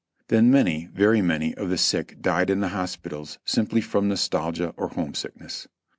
Then many, very many, of the sick died in the hospitals simply from nostolgia or homesickness.